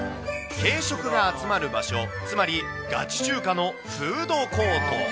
軽食が集まる場所、場所、つまりガチ中華のフードコート。